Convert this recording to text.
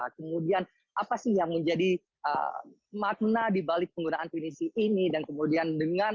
kemudian apa sih yang menjadi makna dibalik penggunaan pinisi ini dan kemudian dengan